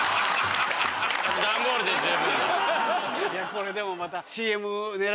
これでもまた。